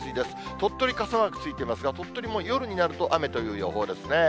鳥取傘マークついてますが、鳥取も夜になると雨という予報ですね。